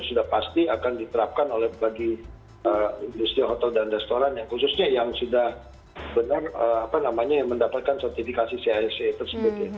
nah itu sudah pasti akan diterapkan oleh bagi industri hotel dan restoran yang khususnya yang sudah benar apa namanya mendapatkan sertifikasi cisc tersebut ya